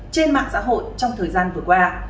trên mạng xã hội trong thời gian vừa qua